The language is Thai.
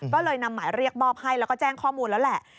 ก็เลยนำหมายเรียกมอบให้แล้วก็แจ้งข้อมูลแล้วแหละ